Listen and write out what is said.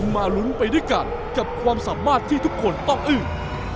มาลุ้นไปด้วยกันกับความสามารถที่ทุกคนต้องอึ้ง